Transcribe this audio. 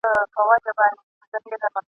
زموږ پر کور باندي نازل دومره لوی غم دی ..